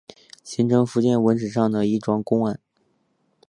形成福建文史上的一桩公案。